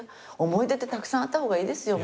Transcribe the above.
思い出ってたくさんあった方がいいですよ。